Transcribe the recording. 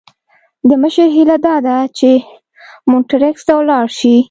د مشر هیله داده چې مونټریکس ته ولاړ شي.